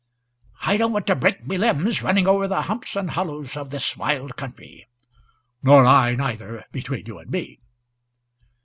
"I don't want to break my limbs running over the humps and hollows of this wild country." "Nor I, either, between you and me."